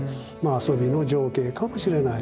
遊びの情景かもしれない。